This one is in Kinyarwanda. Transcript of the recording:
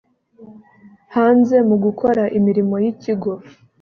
hanze mu gukora imirimo y ikigo